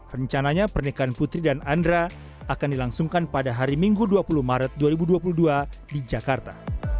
rencananya pernikahan putri dan andra akan dilangsungkan pada hari minggu dua puluh maret dua ribu dua puluh dua di jakarta